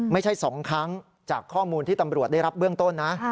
ไม่ใช่๒ครั้งจากข้อมูลที่ตำรวจได้รับเบื้องต้นนะ